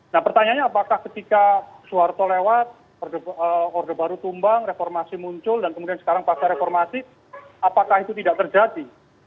nah pertanyaannya apakah ketika soeharto lewat orde baru tumbang reformasi muncul dan kemudian sekarang pasca reformasi apakah itu tidak terjadi